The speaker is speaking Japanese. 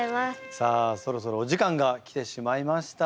さあそろそろお時間が来てしまいました。